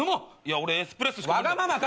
俺エスプレッソしか。